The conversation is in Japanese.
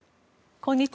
こんにちは。